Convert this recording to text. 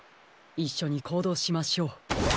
いっしょにこうどうしましょう。